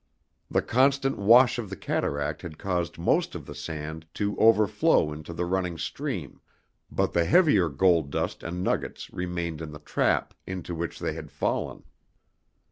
The constant wash of the cataract had caused most of the sand to overflow into the running stream, but the heavier gold dust and nuggets remained in the trap into which they had fallen.